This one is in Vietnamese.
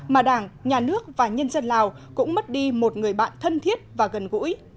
mà đảng nhà nước và nhân dân lào cũng mất đi một người bạn thân thiết và gần gũi